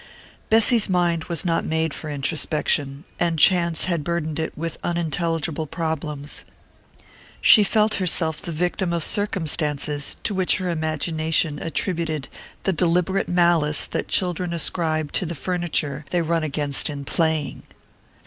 Bessy's mind was not made for introspection, and chance had burdened it with unintelligible problems. She felt herself the victim of circumstances to which her imagination attributed the deliberate malice that children ascribe to the furniture they run against in playing.